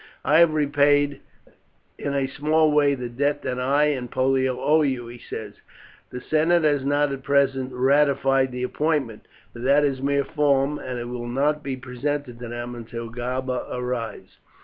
"I have repaid in a small way the debt that I and Pollio owe you," he said. "The senate has not at present ratified the appointment, but that is a mere form, and it will not be presented to them until Galba arrives.